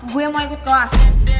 gue yang mau ikut kelas